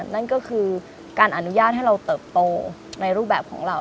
นั่นก็คือการอนุญาตให้เราเติบโตในรูปแบบของเรา